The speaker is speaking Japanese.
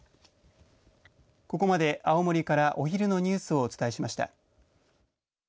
ここまで青森からお昼のニュースをお伝えしました。